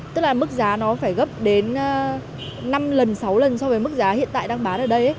tức là mức giá nó phải gấp đến năm lần sáu lần so với mức giá hiện tại đang bán ở đây